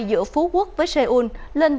giữa phú quốc với seoul